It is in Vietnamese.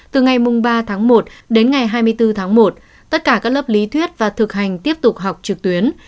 từ ngày ba tháng một đến ngày hai mươi bốn tháng một tất cả các lớp lý thuyết và thực hành tiếp tục học trực tuyến